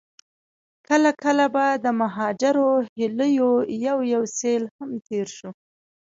کله کله به د مهاجرو هيليو يو يو سيل هم تېر شو.